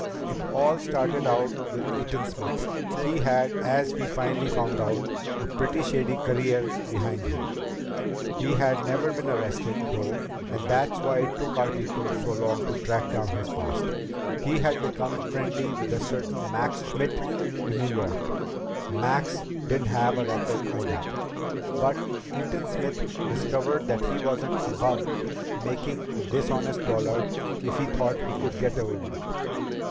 "It all started out with Eaton Smith. He had, as we finally found out, a pretty shady career behind him. He had never been arrested, though, and that's why it took our people so long to track down his past. He had become friendly with a certain Max Schmidt in New York. Max didn't have a record either, but Eaton Smith discovered that he wasn't above making a dishonest dollar if he thought he could get away with it.